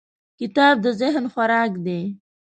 کتاب د ذهن خوراک دی.